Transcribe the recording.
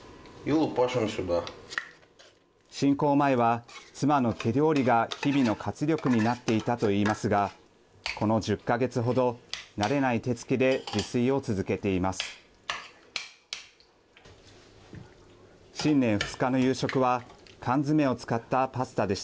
侵攻前は妻の手料理が日々の活力になっていたと言いますがこの１０か月程慣れない手つきで自炊を続けています。